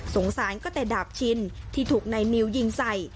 สารก็แต่ดาบชินที่ถูกนายนิวยิงใส่